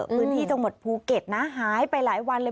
พื้นที่จังหวัดภูเก็ตนะหายไปหลายวันเลย